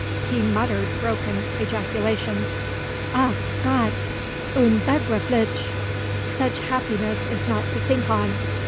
He muttered broken ejaculations. "Ach Gott! Unbegreiflich! Such happiness is not to think on!